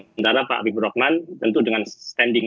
sementara pak fibrohman tentu dengan standing